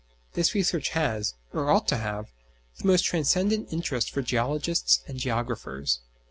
This research has, or ought to have, the most transcendent interest for geologists and geographers.